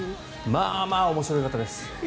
まあまあ面白い方です。